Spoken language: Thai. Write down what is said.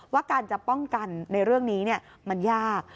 ว่าการจะป้องกันในเรื่องนี้มันยาก